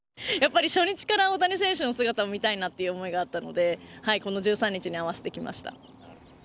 やっぱり初日から大谷選手の姿を見たいなって思いがあったので、この１３日に合わせて来ました。